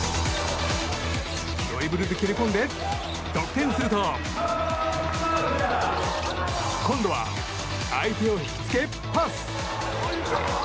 ドリブルで切り込んで得点すると今度は、相手を引き付けパス！